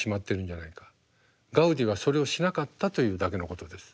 ガウディはそれをしなかったというだけのことです。